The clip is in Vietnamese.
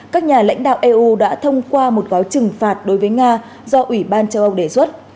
các nhà lãnh đạo eu đã thông qua một gói trừng phạt đối với nga do ủy ban châu âu đề xuất